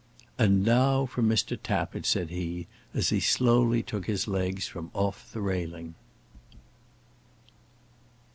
"And now for Mr. Tappitt," said he, as he slowly took his legs from off the railing.